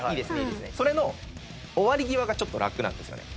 それの終わり際がちょっと楽なんですよね。